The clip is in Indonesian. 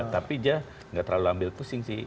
tapi dia nggak terlalu ambil pusing sih